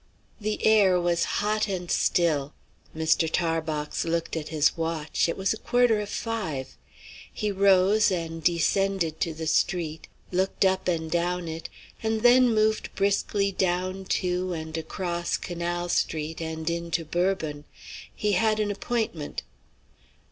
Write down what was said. The air was hot and still. Mr. Tarbox looked at his watch it was a quarter of five. He rose and descended to the street, looked up and down it, and then moved briskly down to, and across, Canal Street and into Bourbon. He had an appointment.